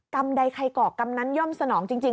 กำใดไข่กรอกกำนั้นย่อมสนองจริง